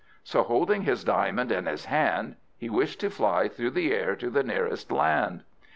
So holding his diamond in his hand, he wished to fly through the air to the nearest land.